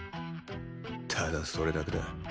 ただそれだけだ。